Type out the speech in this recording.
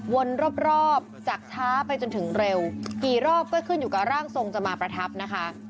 วนรอบจากช้าไปจนถึงเร็วกี่รอบก็ขึ้นอยู่กับร่างทรงจะมาประทับนะคะ